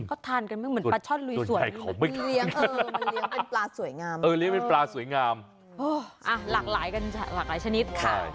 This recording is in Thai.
โอ้แลกหลายชนิด